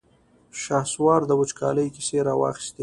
شهسوار د وچکالۍ کيسې را واخيستې.